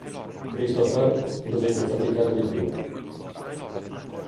Christopher dovette faticare di più.